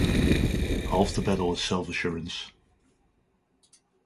Half the battle is self assurance.